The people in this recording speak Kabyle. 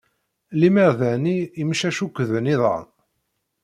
Lemmer dani, imcac ukḍen iḍan.